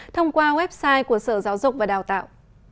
thông qua website của sở giáo dục và đào tạo